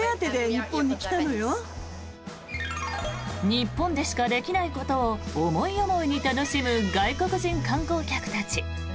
日本でしかできないことを思い思いに楽しむ外国人観光客たち。